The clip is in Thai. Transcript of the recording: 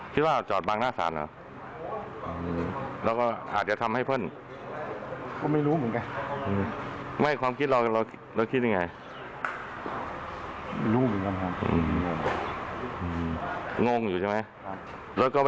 ไม่รู้เหมือนกันเพราะปกติจะจอดทางนี้ติดตรงนี้แหละ